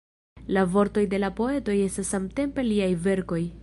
La vortoj de la poeto estas samtempe liaj verkoj.